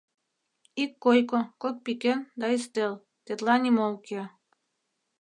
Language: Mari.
Ик койко, кок пӱкен да ӱстел — тетла нимо уке.